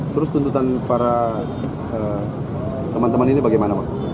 terus tuntutan para teman teman ini bagaimana pak